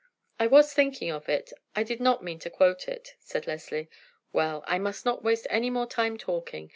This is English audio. "I was thinking of it. I did not mean to quote it," said Leslie. "Well, I must not waste any more time talking.